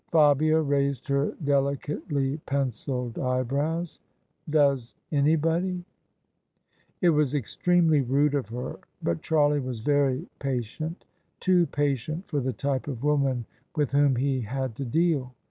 Fabia raised her delicately pencilled eyebrows. " Does anybody?" It was extremely rude of her, but Charlie was very patient: too patient for the type of woman with whom he had to deal.